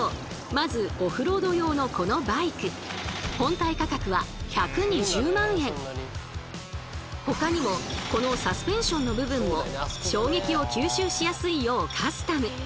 まずオフロード用のこのバイク本体価格はほかにもこのサスペンションの部分も衝撃を吸収しやすいようカスタム！